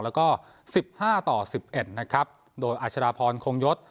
แล้วก็สิบห้าต่อสิบเอ็ดนะครับโดยอาชดาพรคงยศ